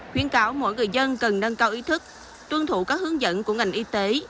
khuyến cáo mỗi người dân cần nâng cao ý thức tuân thủ các hướng dẫn của ngành y tế